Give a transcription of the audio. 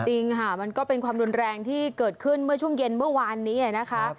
จริงค่ะมันก็เป็นความรุนแรงที่เกิดขึ้นเมื่อช่วงเย็นเมื่อวานนี้นะคะ